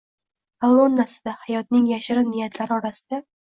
kolonnasida”, hayotning yashirin niyatlari orasida